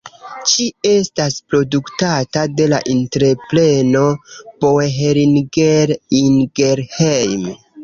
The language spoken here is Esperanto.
Ĝi estas produktata de la entrepreno Boehringer-Ingelheim.